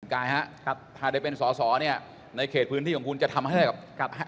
กายฮะถ้าได้เป็นสอสอเนี่ยในเขตพื้นที่ของคุณจะทำให้ได้กับ